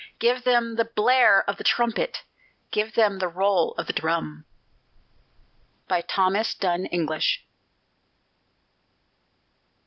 Give them the blare of the trumpet! Give them the roll of the drum! THOMAS DUNN ENGLISH.